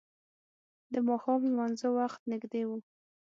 د ماښام لمانځه وخت نږدې و.